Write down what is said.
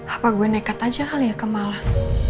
apa gue nekat aja kali ya ke malang